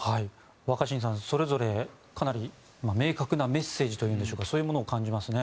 若新さん、それぞれかなり明確なメッセージというんでしょうかそういうものを感じますね。